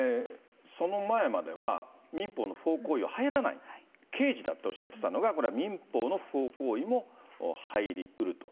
その前までは、民法の不法行為は入らない、刑事だっておっしゃってたのが、これは民法の不法行為も入りうると。